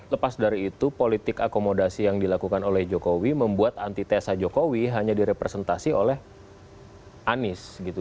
lepas dari itu politik akomodasi yang dilakukan oleh jokowi membuat antitesa jokowi hanya direpresentasi oleh anies gitu